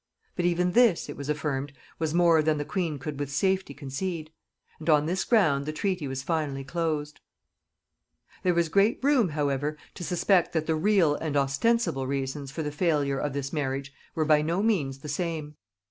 But even this, it was affirmed, was more than the queen could with safety concede; and on this ground the treaty was finally closed. There is great room, however, to suspect that the real and the ostensible reasons of the failure of this marriage were by no means the same.